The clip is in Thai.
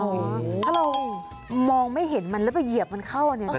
ถ้าเรามองไม่เห็นมันแล้วไปเหยียบมันเข้าเนี่ย